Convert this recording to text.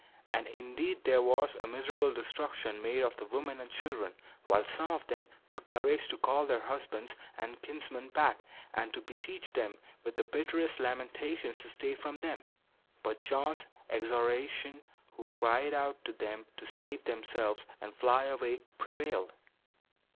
And indeed there was a miserable destruction made of the women and children; while some of them took courage to call their husbands and kinsmen back, and to beseech them, with the bitterest lamentations, to stay for them; but John's exhortation, who cried out to them to save themselves, and fly away, prevailed.